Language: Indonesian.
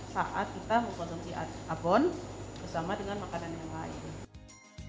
saat kita mengkonsumsi abon bersama dengan makanan yang lain